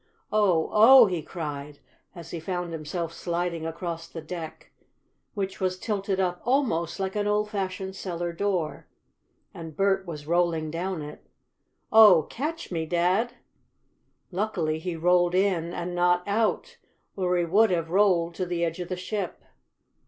"Oh! Oh!" he cried, as he found himself sliding across the deck, which was tilted up almost like an old fashioned cellar door, and Bert was rolling down it. "Oh, catch me, Dad!" Luckily he rolled in, and not out, or he would have rolled to the edge of the ship.